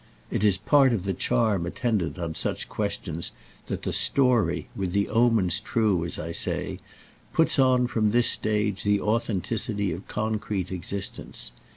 It is part of the charm attendant on such questions that the "story," with the omens true, as I say, puts on from this stage the authenticity of concrete existence.